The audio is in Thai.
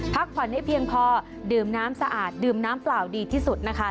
พักผ่อนให้เพียงพอดื่มน้ำสะอาดดื่มน้ำเปล่าดีที่สุดนะคะ